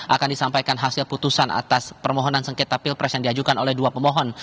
akan disampaikan hasil putusan atas permohonan sengketa pilpres yang diajukan oleh dua pemohon